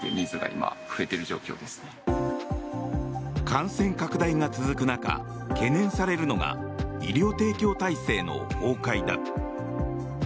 感染拡大が続く中懸念されるのが医療提供体制の崩壊だ。